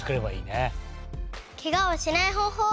ケガをしないほうほう